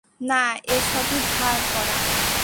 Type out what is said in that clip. না, এ সবই ধার করা।